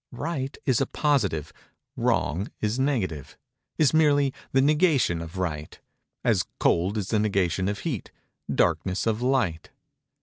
Right is positive; wrong is negative—is merely the negation of right; as cold is the negation of heat—darkness of light.